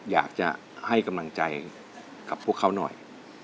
อยากจะให้กำลังใจกับพวกเขาหน่อย